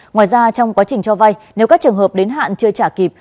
ngoài ra trong quá trình cho vay nếu các trường hợp đến hạn chưa trả kịp